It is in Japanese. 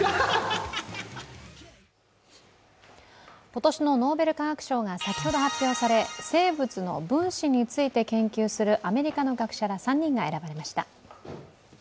今年のノーベル化学賞が先ほど発表され、生物の分子について研究するアメリカの学者ら３人が選ばれました。